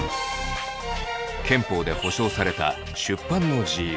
憲法で保障された「出版の自由」。